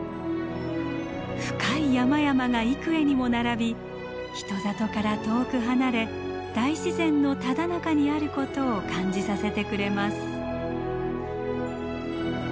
深い山々が幾重にも並び人里から遠く離れ大自然のただ中にあることを感じさせてくれます。